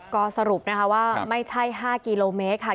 ก็สรุปนะคะว่าไม่ใช่๕กิโลเมตรค่ะ